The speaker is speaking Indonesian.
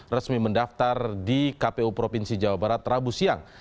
resmi mendaftar di kpu provinsi jawa barat rabu siang